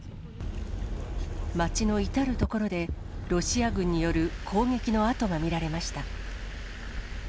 街の至る所で、ロシア軍による攻撃の跡が見られました。